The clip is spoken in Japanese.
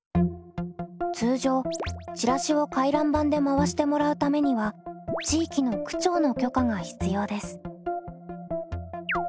通常チラシを回覧板で回してもらうためには地域の区長の許可が必要です。